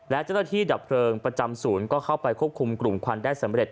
และเจ้าหน้าที่ดับเพลิงประจำศูนย์ก็เข้าไปควบคุมกลุ่มควันได้สำเร็จ